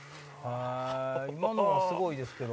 今のはすごいですけど。